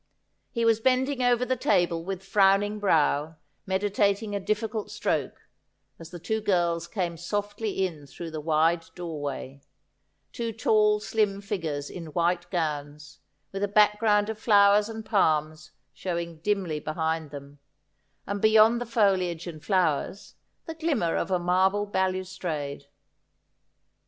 He was bending over the table with frowning brow, meditat ing a difficult stroke, as the two girls came softly in through the wide doorway — two tall slim figures in white gowns, with a back ground of flowers and palms showing dimly behind them, and beyond the foliage and flowers, the glimmer of a marble balustrade.